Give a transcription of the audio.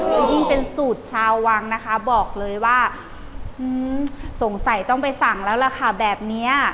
แล้วยิ่งเป็นสูตรชาววังนะคะบอกเลยว่าสงสัยต้องไปสั่งแล้วล่ะค่ะแบบนี้